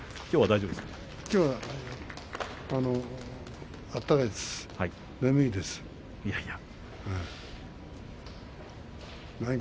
きょうは大丈夫ですか？